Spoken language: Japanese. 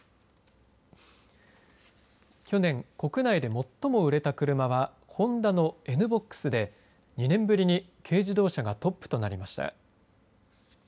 去年、国内で最も売れた車はホンダのＮ‐ＢＯＸで２年ぶりに軽自動車がトップとなりました。